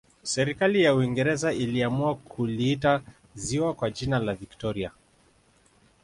serikali ya uingereza iliamua kuliita ziwa kwa jina la victoria